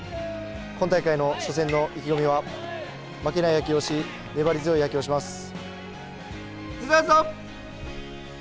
今大会の初戦の意気込みは負けない野球をし粘り強い野球をします。